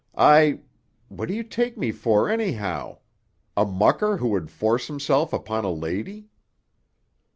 I——What do you take me for, anyhow? A mucker who would force himself upon a lady?"